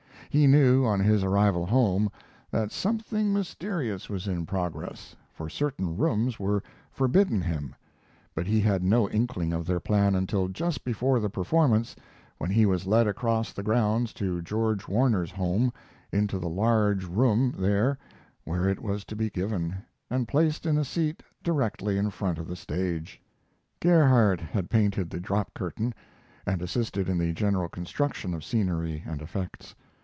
He knew, on his arrival home, that something mysterious was in progress, for certain rooms were forbidden him; but he had no inkling of their plan until just before the performance when he was led across the grounds to George Warner's home, into the large room there where it was to be given, and placed in a seat directly in front of the stage. Gerhardt had painted the drop curtain, and assisted in the general construction of scenery and effects.